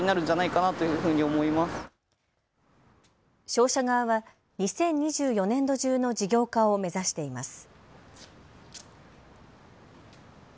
商社側は２０２４年度中の事業化を目指しています。